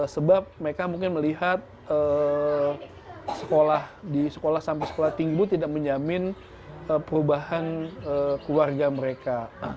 sebab mereka mungkin melihat sekolah di sekolah sampai sekolah tinggi itu tidak menjamin perubahan keluarga mereka